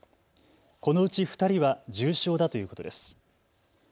このうち２人は重症だということです。